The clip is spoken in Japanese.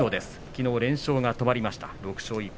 きのう連勝が止まりました。